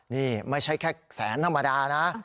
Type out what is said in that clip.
นี่ไม่ใช่แค่แสนธรรมดานะ